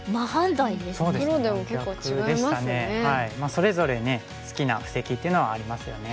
それぞれね好きな布石っていうのはありますよね。